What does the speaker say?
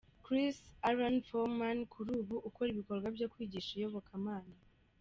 Chris Alan Foreman, kuri ubu ukora ibikorwa byo kwigisha iyobokamana.